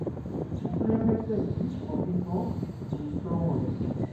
Bukulembeze ki obuliko mu kitongole?